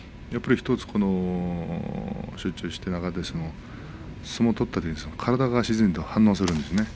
集中した中で相撲を取っていると体が自然と反応するんですね。